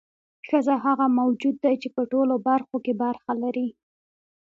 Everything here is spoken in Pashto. ښځه هغه موجود دی چې په ټولو برخو کې برخه لري.